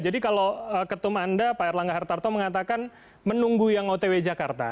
jadi kalau ketum anda pak erlangga hartarto mengatakan menunggu yang otw jakarta